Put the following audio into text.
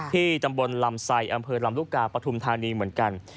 ที่ตำบลลำไซอำเภอลำลูกกาปฐุมธานีเหมือนกัน